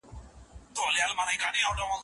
غزني او کابل په شعر کې یاد شوي دي.